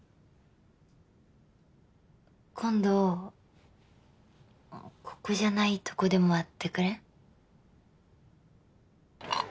今度ここじゃないとこでも会ってくれん？